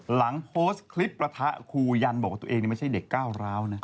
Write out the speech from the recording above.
หลังโพสต์คลิปประทะครูยันบอกว่าตัวเองไม่ใช่เด็กก้าวร้าวนะ